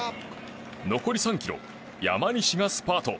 残り３ｋｍ山西がスパート。